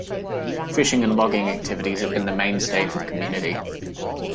Fishing and logging activities have been the mainstay for the community.